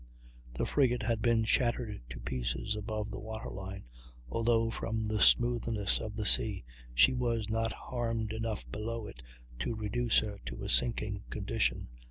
The frigate had been shattered to pieces above the water line, although from the smoothness of the sea she was not harmed enough below it to reduce her to a sinking condition.